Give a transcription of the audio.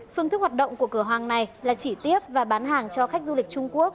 phương thức hoạt động của cửa hàng này là chỉ tiếp và bán hàng cho khách du lịch trung quốc